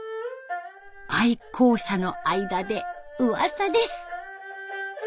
愛好者の間でうわさです。